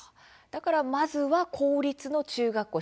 だからまずは公立の中学校